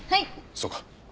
そうか。